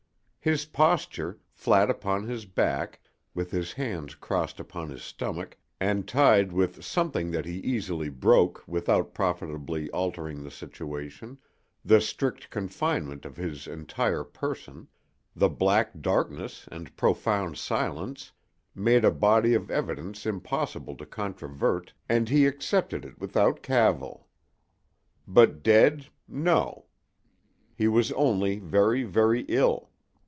His posture—flat upon his back, with his hands crossed upon his stomach and tied with something that he easily broke without profitably altering the situation—the strict confinement of his entire person, the black darkness and profound silence, made a body of evidence impossible to controvert and he accepted it without cavil. But dead—no; he was only very, very ill.